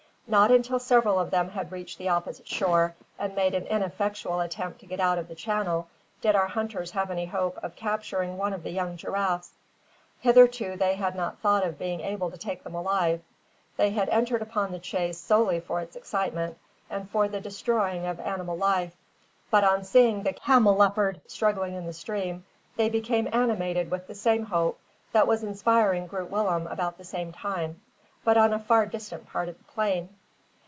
Not until several of them had reached the opposite shore and made an ineffectual attempt to get out of the channel, did our hunters have any hope of capturing one of the young giraffes. Hitherto they had not thought of being able to take them alive. They had entered upon the chase solely for its excitement, and for the destroying of animal life; but on seeing the camelopards struggling in the stream, they became animated with the same hope that was inspiring Groot Willem about the same time, but on a far distant part of the plain.